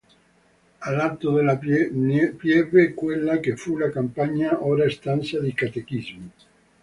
A lato della pieve quella che fu la compagnia, ora stanza di catechismo.